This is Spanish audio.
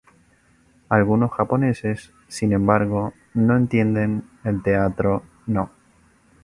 Algunos japoneses, sin embargo, no entienden el teatro Noh.